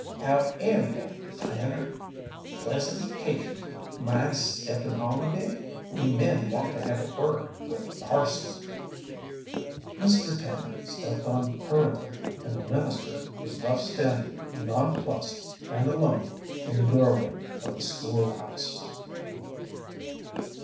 "H'w aire yeh, Tanner? Pleasant 'casion. Mind steppin' on a bit? We men wanta have a word with the parson." Mr. Tanner stepped on hurriedly, and the minister was left standing nonplussed and alone in the doorway of the school house.